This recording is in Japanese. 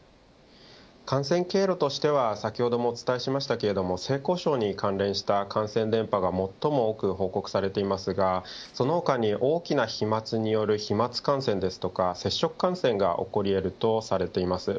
感染経路としては先ほどもお伝えしましたけれども性交渉に関連した感染伝播が最も多く報告されていますがその他に大きな飛まつによる飛まつ感染ですとか接触感染が起こり得るとされています。